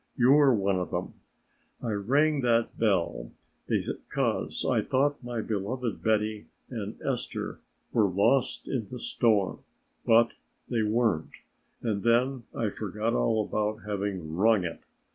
You are one of them! I rang that bell because I thought my beloved Betty and Esther were lost in the storm, but they weren't, and then I forgot all about having rung it.